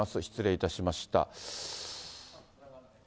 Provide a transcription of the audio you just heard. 失礼いたしました。